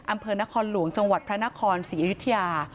อำเภอนครหลวงจังหวัดพระนครศรีอยุธยา